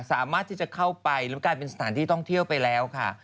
สามารถที่จะเข้าไปแล้วกลายเป็นสถานที่ท่องเที่ยวไปแล้วค่ะ